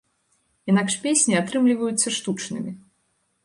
Інакш песні атрымліваюцца штучнымі.